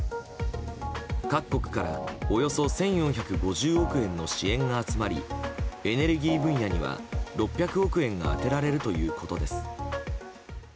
各国からおよそ１４５０億円の支援が集まりエネルギー分野には６００億円が充てられるということです。